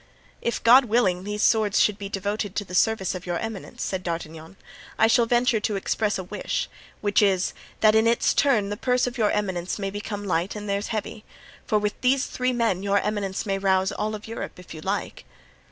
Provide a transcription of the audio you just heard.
"If, God willing, these swords should be devoted to the service of your eminence," said D'Artagnan, "I shall venture to express a wish, which is, that in its turn the purse of your eminence may become light and theirs heavy—for with these three men your eminence may rouse all Europe if you like."